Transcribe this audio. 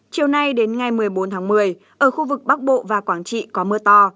chiều nay đến ngày một mươi bốn tháng một mươi ở khu vực bắc bộ và quảng trị có mưa to